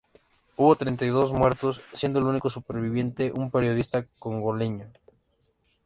Hubo treinta y dos muertos, siendo el único superviviente un periodista congoleño.